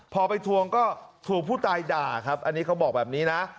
พอไปทวงก็ถูกผู้ตายด่าครับอันนี้เขาบอกแบบนี้นะ